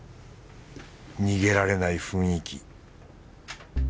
逃げられない雰囲気。